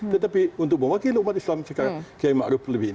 tetapi untuk memwakili umat islam sekarang saya makruf lebih